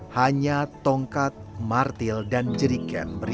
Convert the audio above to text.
hanya tongkat martil dan jeriken berisi lima liter air yang menemani peribadi